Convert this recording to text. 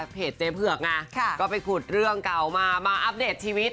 เพจเจ๊เผือกไงก็ไปขุดเรื่องเก่ามามาอัปเดตชีวิต